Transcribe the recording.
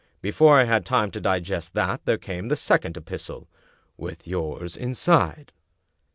Before I had time to digest that there came the second epistle, with yours inside."